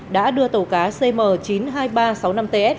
đã đưa tàu cá cm chín mươi hai nghìn ba trăm sáu mươi năm ts